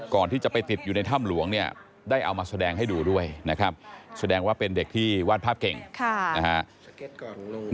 ก่อนที่จะไปติดอยู่ในถ้ำหลวงเนี่ยได้เอามาแสดงให้ดูด้วยนะครับแสดงว่าเป็นเด็กที่วาดภาพเก่งค่ะนะฮะ